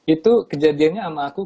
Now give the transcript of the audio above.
itu kejadiannya sama aku